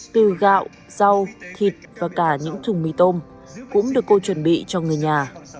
từ gạo rau thịt và cả những thùng mì tôm cũng được cô chuẩn bị cho người nhà